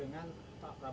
juga selama ini kan pks